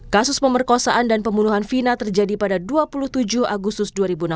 kasus pemerkosaan dan pembunuhan vina terjadi pada dua puluh tujuh agustus dua ribu enam belas